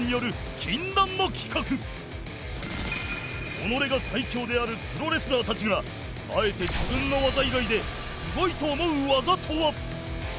己が最強であるプロレスラーたちがあえて自分の技以外ですごいと思う技とは！？